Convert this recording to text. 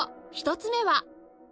１つ目は